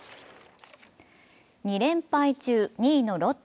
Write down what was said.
２連敗中、２位のロッテ。